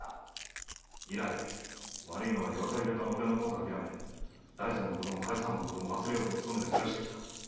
以来悪いのは世渡り下手の俺の方とあきらめ大膳も海津藩のことも忘れようとつとめて暮らしてきた。